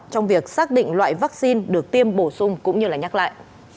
trong việc xác định loại vaccine được tiêm bổ sung cũng như là nhắc lại